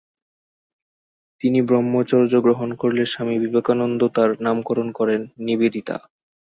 তিনি ব্রহ্মচর্য গ্রহণ করলে স্বামী বিবেকানন্দ তাঁর নামকরণ করেন "নিবেদিতা"।